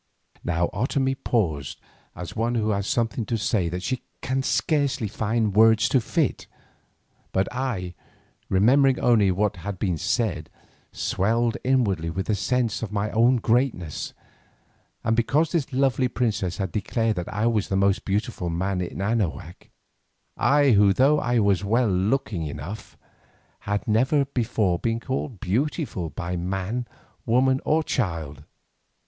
Now Otomie paused as one who has something to say that she can scarcely find words to fit, but I, remembering only what had been said, swelled inwardly with the sense of my own greatness, and because this lovely princess had declared that I was the most beautiful man in Anahuac, I who though I was well looking enough, had never before been called "beautiful" by man, woman, or child.